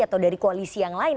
atau dari koalisi yang lain